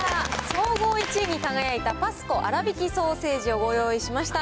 総合１位に輝いたＰａｓｃｏ、あらびきソーセージをご用意しました。